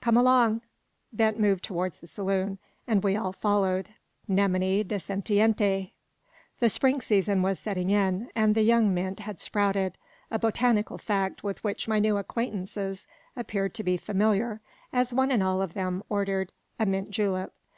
Come along!" Bent moved towards the saloon, and we all followed, nemine dissentiente. The spring season was setting in, and the young mint had sprouted a botanical fact with which my new acquaintances appeared to be familiar, as one and all of them ordered a mint julep.